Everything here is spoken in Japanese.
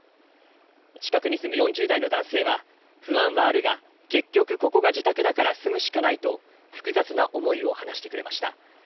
近くに住む４０代の男性は不安はあるが結局ここが自宅だから住むしかないと複雑な思いを話してくれました。